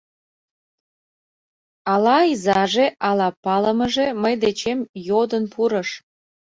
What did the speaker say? — Ала изаже, ала палымыже, мый дечем йодын пурыш.